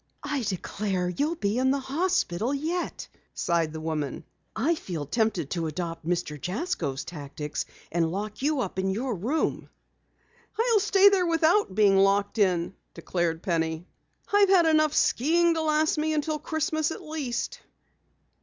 "I declare, you'll be in the hospital yet," sighed the woman. "I feel tempted to adopt Mr. Jasko's tactics and lock you up in your room." "I'll stay there without being locked in," declared Penny. "I've had enough skiing to last me until Christmas at least."